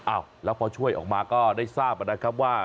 อ้าวแล้วพอช่วยออกมาก็ได้ทราบนะครับว่า